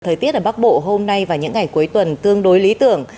thời tiết ở bắc bộ hôm nay và những ngày cuối tuần tương đối lý tưởng